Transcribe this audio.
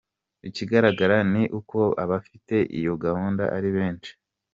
Ikigaragara ni uko abafite iyo gahunda ari benshi:.